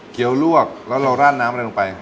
ลวกแล้วเราราดน้ำอะไรลงไป